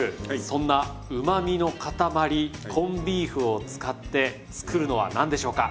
そんなうまみのかたまりコンビーフを使って作るのは何でしょうか？